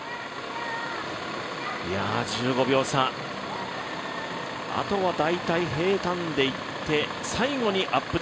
１５秒差、あとは大体平たんでいって最後にアップ